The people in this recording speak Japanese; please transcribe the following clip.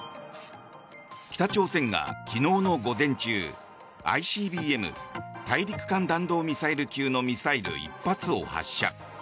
北朝鮮が昨日の午前中ＩＣＢＭ・大陸間弾道ミサイル級のミサイル１発を発射。